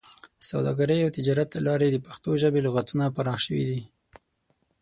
د سوداګرۍ او تجارت له لارې د پښتو ژبې لغتونه پراخه شوي دي.